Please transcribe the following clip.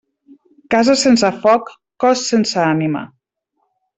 Casa sense foc, cos sense ànima.